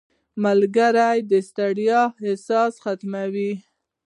• ملګری د ستړیا احساس ختموي.